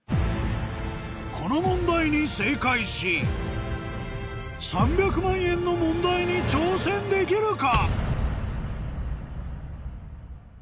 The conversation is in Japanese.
この問題に正解し３００万円の問題に挑戦できるか？